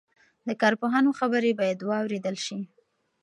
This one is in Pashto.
د کارپوهانو خبرې باید واورېدل شي.